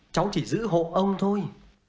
cháu chỉ giữ hộ ông thôi